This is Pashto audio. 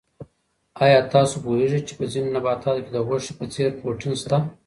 آیا تاسو پوهېږئ چې په ځینو نباتاتو کې د غوښې په څېر پروټین شته؟